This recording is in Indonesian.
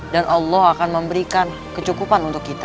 dan allah akan memberikan kecukupan untuk kita